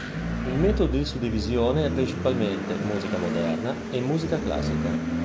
Il metodo di suddivisione è principalmente "musica moderna" e "musica classica".